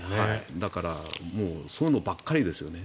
だからそういうのばっかりですよね。